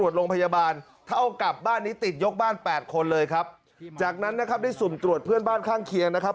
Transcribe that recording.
จากนั้นนะครับได้สุ่มตรวจเพื่อนบ้านข้างเคียงนะครับ